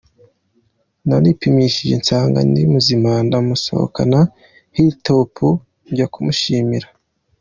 naripimishije nsanga ndi muzima ndamusohokana Hilltop njya kumushimira.